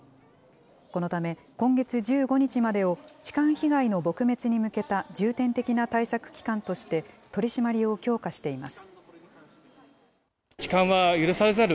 このため、今月１５日までを、痴漢被害の撲滅に向けた重点的な対策期間として、取締りを強化しています。